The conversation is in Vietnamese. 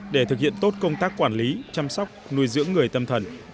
để thực hiện tốt công tác quản lý chăm sóc nuôi dưỡng người tâm thần